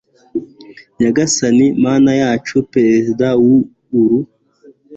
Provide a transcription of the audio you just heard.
nyagasani mana yacu, perezida w'uru